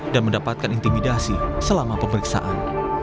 dan mendapatkan intimidasi selama pemeriksaan